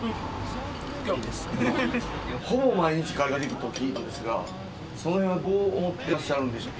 ほぼ毎日カレーが出てくると聞いたんですがそのへんはどう思ってらっしゃるんでしょうか？